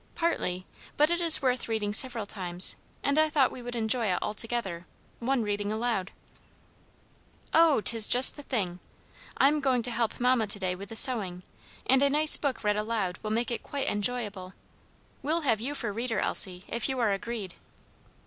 "Partly; but it is worth reading several times; and I thought we would enjoy it all together one reading aloud." "Oh, 'tis just the thing! I'm going to help mamma to day with the sewing, and a nice book read aloud will make it quite enjoyable. We'll have you for reader, Elsie, if you are agreed."